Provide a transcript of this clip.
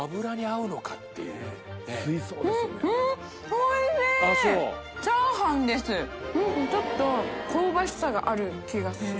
複截腺邸ちょっと香ばしさがある気がする。